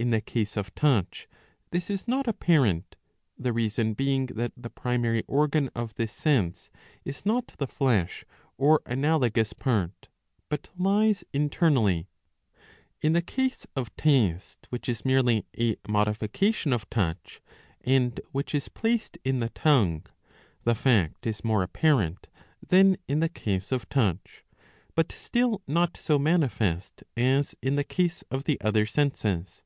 In the case of touch this is not apparent, the reason being that the primary organ of this sense is not the flesh or analogous part, but lies internally .^^ In the case of taste, which is merely a modification of touch ^^ and which 656 b. 46 ii. 10 — ii. 13. IS placed in the tongue, the fact is more apparent than in the case of touch, but still not so manifest as in the case of the other senses.